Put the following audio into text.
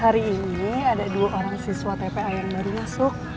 hari ini ada dua orang siswa tpa yang baru masuk